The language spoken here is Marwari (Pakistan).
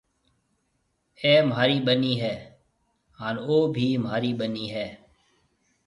اَي مهاري ٻنَي هيَ هانَ او بي مهاري ٻنَي هيَ۔